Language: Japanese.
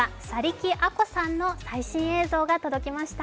木アコさんの最新映像が届きました。